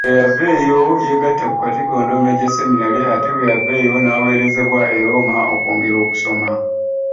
Bw'eyaveeyo yeegatta ku Katigondo Major Seminary ate bw'eyaveeyo n'aweerezebwa e Roma okwongera okusoma.